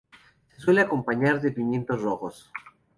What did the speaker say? Se suele acompañar de pimientos rojos.